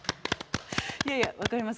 いやいや分かります。